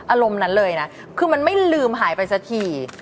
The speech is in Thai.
อารมณ์นั้นเลยนะคือมันไม่ลืมหายไปสักที